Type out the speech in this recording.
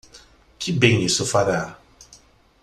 Que bem isso fará?